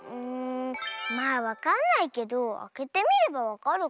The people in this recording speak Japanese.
まあわかんないけどあけてみればわかるかなあ。